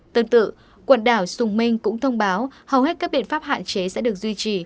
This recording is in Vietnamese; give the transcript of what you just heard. tương tự quần đảo sùng minh cũng thông báo hầu hết các biện pháp hạn chế sẽ được duy trì